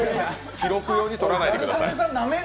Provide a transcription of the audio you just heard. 記録用で撮らないでください。